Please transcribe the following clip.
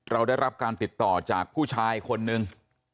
เราได้รับการติดต่อจากผู้ชายคนนึง